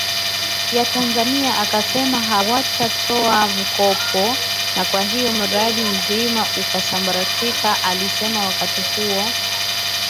ya Tanzania wakasema hawatatoa mkopo na kwa hiyo mradi mzima ukasambaratika alisemaWakati huo